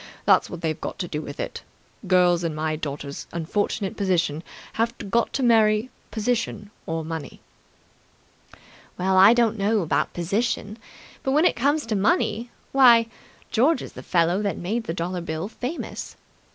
That's what they've got to do with it. Girls in my daughter's unfortunate position have got to marry position or money." "Well, I don't know about position, but when it comes to money why, George is the fellow that made the dollar bill famous.